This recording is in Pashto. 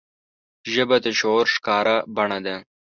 ژبه د شعور ښکاره بڼه ده